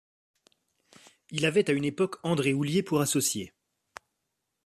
Il avait à une époque André Oulié pour associé.